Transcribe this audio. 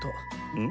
うん？